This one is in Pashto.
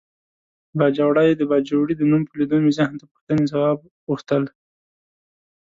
باجوړی د باجوړي د نوم په لیدو مې ذهن ته پوښتنې ځواب غوښتل.